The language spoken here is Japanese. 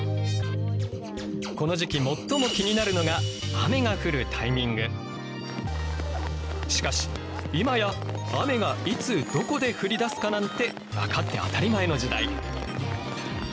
この時期最も気になるのがしかし今や雨がいつどこで降りだすかなんて分かって当たり前の時代。